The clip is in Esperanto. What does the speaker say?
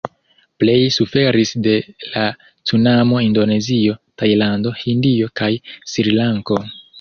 Pleje suferis de la cunamo Indonezio, Tajlando, Hindio kaj Srilanko.